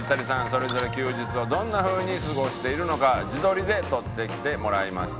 それぞれ休日をどんな風に過ごしているのか自撮りで撮ってきてもらいました。